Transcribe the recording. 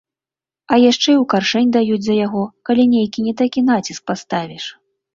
А яшчэ і ў каршэнь даюць за яго, калі нейкі не такі націск паставіш.